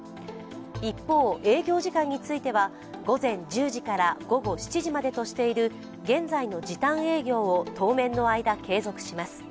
一方、営業時間については、午前１０時から午後７時までとしている現在の時短営業を当面の間継続します。